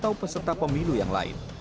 atau peserta pemilu yang lain